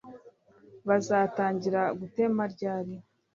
Bazatangira gutema ryari